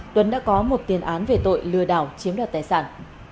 tuấn đã có một tiền án về tội lừa đảo chiếm đoạt tài sản